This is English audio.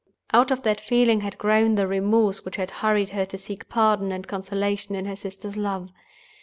Out of that feeling had grown the remorse which had hurried her to seek pardon and consolation in her sister's love.